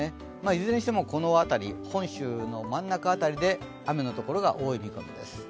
いずれにしても、本州の真ん中当たりで雨のところが多い見込みです。